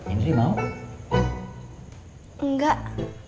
ini mau enggak